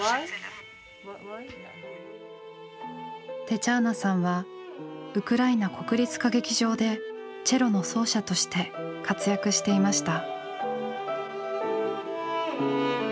テチャーナさんはウクライナ国立歌劇場でチェロの奏者として活躍していました。